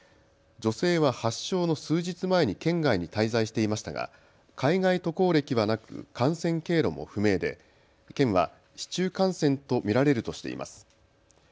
女性は発症の数日前に県外に滞在していましたが海外渡航歴はなく感染経路も不明で県は、市中感染と見られるとしています。